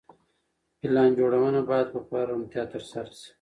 پلان جوړونه بايد په پوره روڼتيا ترسره سي.